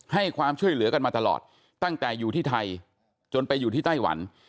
ให้ความช่วยเหลือกันมาตลอดตั้งแต่อยู่ที่ไทยจนไปอยู่ที่ไต้หวัน